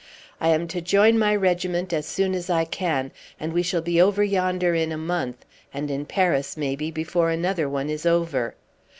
"I am to join my regiment as soon as I can; and we shall be over yonder in a month, and in Paris, maybe, before another one is over."